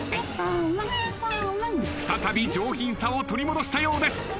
再び上品さを取り戻したようです。